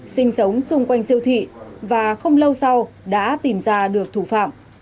sinh sống xung quanh siêu thị và không lâu sau đã tìm ra được thủ phạm